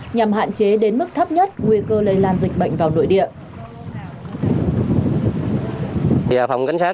nhằm hạn chế đến mức thấp nhất nguy cơ lây lan dịch bệnh vào nội địa